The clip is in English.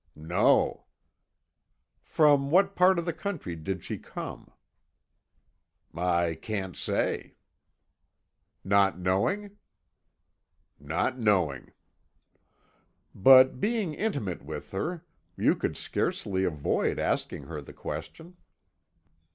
"No." "From what part of the country did she come?" "I can't say." "Not knowing?" "Not knowing." "But being intimate with her, you could scarcely avoid asking her the question."